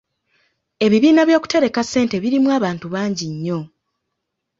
Ebibiina by'okutereka ssente birimu abantu bangi nnyo.